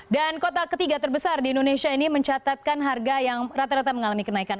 dan kota ketiga terbesar di indonesia ini mencatatkan harga yang rata rata mengalami kenaikan